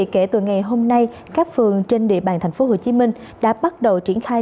kể từ ngày hôm nay các phường trên địa bàn thành phố hồ chí minh đã bắt đầu triển khai